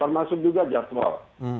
termasuk juga jadwal